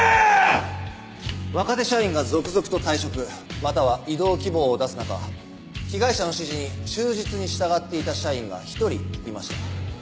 若手社員が続々と退職または異動希望を出す中被害者の指示に忠実に従っていた社員が１人いました。